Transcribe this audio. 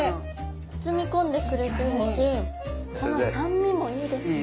包み込んでくれてるしこの酸味もいいですね。